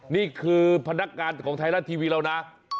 นี่คือพนักงานของไทยรัฐทีวีเรานะ